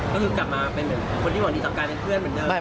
ก็คือกลับมาเป็นคนที่หวังดีต่อการเป็นเพื่อนเหมือนเดิม